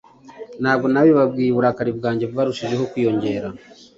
Ntabwo nabibabwiye, uburakari bwanjye bwarushijeho kwiyongera.